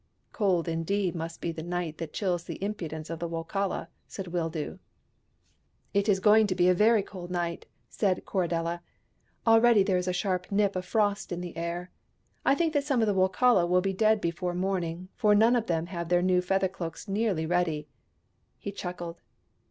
" Cold indeed must be the night that chills the impudence of the Wokala," said Wildoo. " It is going to be a very cold night," said Corridella. " Already there is a sharp nip of frost in the air. I think that some of the Wokala will be dead before morning, for none of them have their new feather cloaks nearly ready." He chuckled.